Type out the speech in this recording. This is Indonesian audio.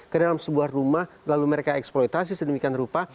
ke dalam sebuah rumah lalu mereka eksploitasi sedemikian rupa